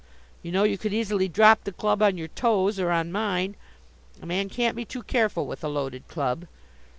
You know you could easily drop the club on your toes, or on mine. A man can't be too careful with a loaded club."